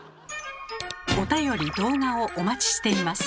おたより動画をお待ちしています。